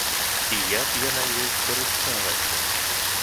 І як яна ёй скарысталася?